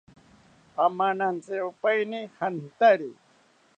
Amanantziroripaeni jantari